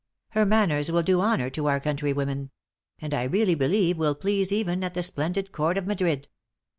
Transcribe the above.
Her manners will do honor to our countrywomen; and I really believe will please even at the splendid court of Madrid.